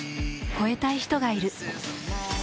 超えたい人がいる。